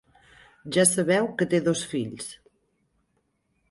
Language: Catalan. Ja sabeu que té dos fills.